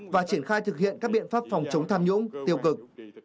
và triển khai thực hiện các biện pháp phòng chống tham nhũng tiêu cực